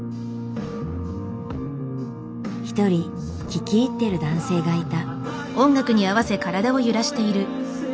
一人聞き入ってる男性がいた。